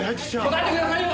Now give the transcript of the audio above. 答えてくださいよ！